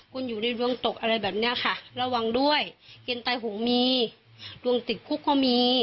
คุณอยู่ในดวงตกอะไรแบบนี้ค่ะระวังด้วยกินไตหงมีดวงติดคุกก็มี